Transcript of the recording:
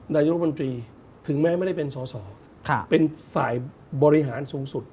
นายกรมนตรีถึงแม้ไม่ได้เป็นสอสอเป็นฝ่ายบริหารสูงสุด